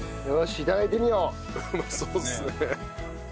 うまそうですね。